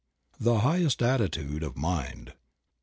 THE HIGHEST ATTITUDE OF MIND.